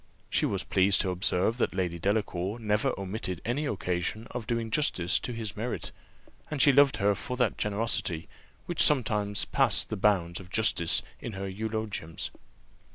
She was pleased to observe that Lady Delacour never omitted any occasion of doing justice to his merit, and she loved her for that generosity, which sometimes passed the bounds of justice in her eulogiums.